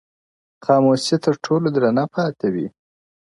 خاموسي تر ټولو درنه پاتې وي,